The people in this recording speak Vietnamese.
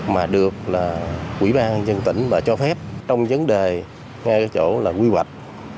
mà được quỹ ban dân tỉnh và cho phép trong vấn đề ngay cái chỗ là quy hoạch